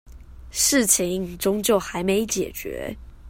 事情終究還沒解決